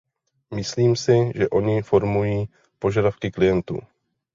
Myslím si, že oni formují požadavky klientů.